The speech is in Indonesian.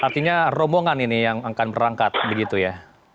artinya rombongan ini yang akan berangkat begitu ya